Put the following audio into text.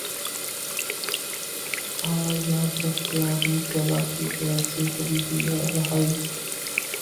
آ۔ یاد رکھ کہ آدمی خیالات کی قید سے کبھی بھی رہائ